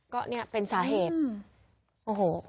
ก็นี่เป็นสาเหตุอืมโอ้โฮ